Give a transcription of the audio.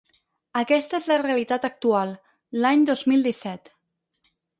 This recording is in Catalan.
Aquesta és la realitat actual, l’any dos mil disset.